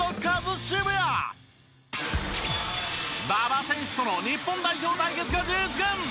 馬場選手との日本代表対決が実現。